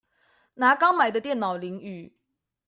拿剛買的電腦淋雨